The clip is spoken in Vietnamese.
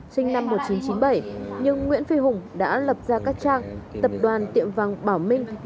sinh năm một nghìn chín trăm chín mươi bảy nhưng nguyễn phi hùng đã lập ra các trang tập đoàn tiệm vàng bảo minh